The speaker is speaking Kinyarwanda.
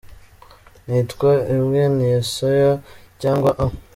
Y: Nitwa Ambwene Yessayah cyangwa A.